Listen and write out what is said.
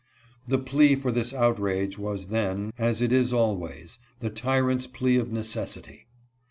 The plea for this outrage was then, as it is always, the tyrant's plea of necessity.